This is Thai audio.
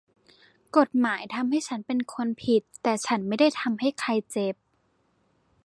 กฎหมายทำให้ฉันเป็นคนผิดแต่ฉันไม่ได้ทำให้ใครเจ็บ